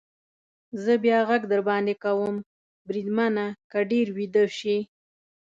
زه بیا غږ در باندې کوم، بریدمنه، که ډېر ویده شې.